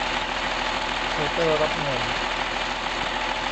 เคาน์เตอร์รับเงิน